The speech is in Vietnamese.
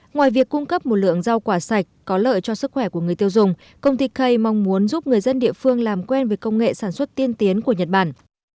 ngoài việc cung cấp một lượng rau quả sạch có lợi cho sức khỏe của người tiêu dùng công ty kay mong muốn giúp người dân địa phương làm quen với công nghệ sản xuất tiên tiến của nhật bản